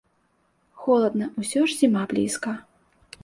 Холадна ўсё ж, зіма блізка.